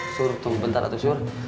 sur tunggu bentar atuh sur